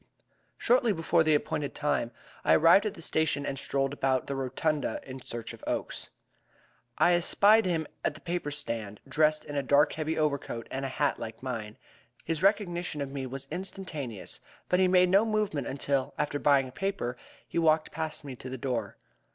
Shortly before the appointed time I arrived at the station and strolled about the rotunda in search of Oakes. I espied him at the paper stand, dressed in a dark heavy overcoat and a hat like mine. His recognition of me was instantaneous, but he made no movement until, after buying a paper, he walked past me to the door.